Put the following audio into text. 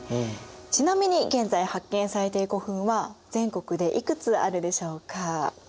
ちなみに現在発見されている古墳は全国でいくつあるでしょうか？